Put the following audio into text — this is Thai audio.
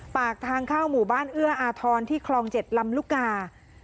ปากทางเข้าหมู่บ้านเอื้ออาทรที่คลอง๗ลำลูกกา